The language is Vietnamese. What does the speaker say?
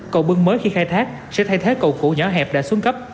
cầu bưng mới khi khai thác sẽ thay thế cầu cũ nhỏ hẹp đã xuống cấp